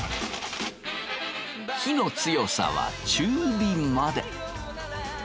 火の強さは中火まで。